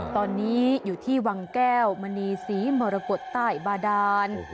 ตอนนี้อยู่ที่วังแก้วมณีศรีมรกฏใต้บาดาน